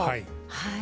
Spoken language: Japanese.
はい。